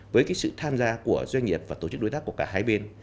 với sự tham gia của doanh nghiệp và tổ chức đối tác của cả hai bên